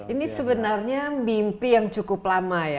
ini sebenarnya mimpi yang cukup lama ya